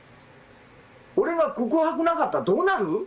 俺の告白なかったらどうなる？